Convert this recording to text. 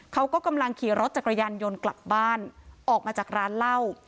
เขาก็กำลังขี่รถจักรยานยนต์กลับบ้านออกมาจากร้านเหล้า